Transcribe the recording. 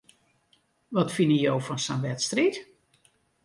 Wat fine jo fan sa'n wedstriid?